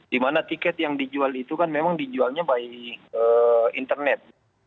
di mana tiket yang dijual itu kan memang dijualnya baik internet